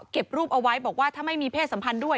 รูปเอาไว้บอกว่าถ้าไม่มีเพศสัมพันธ์ด้วย